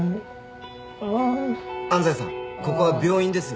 ここは病院です。